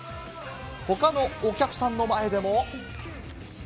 他のお客さんの前でも。